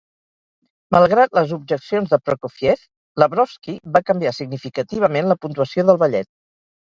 Malgrat les objeccions de Prokofiev, Lavrovsky va canviar significativament la puntuació del ballet.